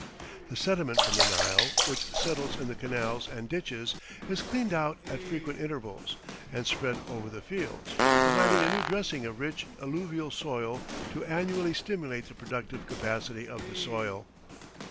The sediment from the Nile, which settles in the canals and ditches, is cleaned out at frequent intervals and spread over the fields, providing a new dressing of rich alluvial soil to annually stimulate the productive capacity of the soil.